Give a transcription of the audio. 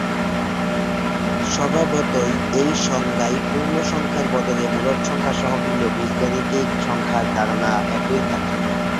স্বভাবতই, এই সংজ্ঞায় পূর্ণ সংখ্যার বদলে মূলদ সংখ্যা সহগ নিলেও বীজগাণিতিক সংখ্যার ধারণা একই থাকে।